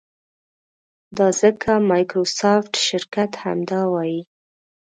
دا ځکه مایکروسافټ شرکت همدا وایي.